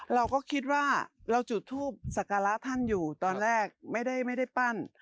เราก็คิดว่าเราจุดทูปสักการะท่านอยู่ตอนแรกไม่ได้ปั้น